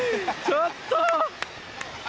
ちょっと！